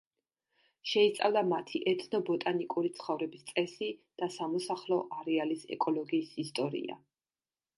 შეისწავლა მათი ეთნობოტანიკური ცხოვრების წესი და სამოსახლო არეალის ეკოლოგიის ისტორია.